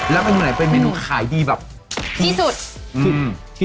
แล้วกันฝั่งเมนูไหนเป็นค่ายดีแบบที่สุด